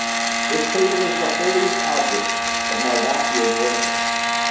This table is the holiest object of mardakanic worship.